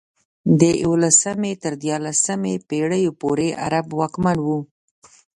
د یولسمې تر دیارلسمې پېړیو پورې عرب واکمن وو.